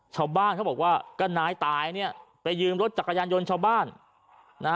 ชาวบ้านเขาบอกว่าก็นายตายเนี่ยไปยืมรถจักรยานยนต์ชาวบ้านนะฮะ